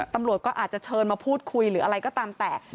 ตำรวจก็อาจจะเชิญมาพูดคุยหรืออะไรก็ตามแต่